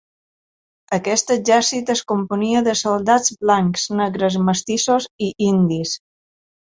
Aquest exèrcit es componia de soldats blancs, negres, mestissos i indis.